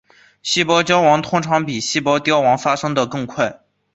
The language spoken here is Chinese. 细胞焦亡通常比细胞凋亡发生的更快。